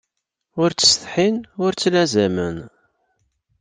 Ur ttsethin ur ttlazamen.